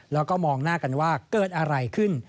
แล้วก็มองหน้ากันว่าเกิดอะไรขึ้น